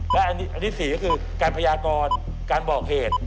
และอันที่๔ก็คือการพยากรการบอกเหตุ